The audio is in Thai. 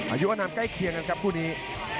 อายุอนามใกล้เคียงกันครับคู่นี้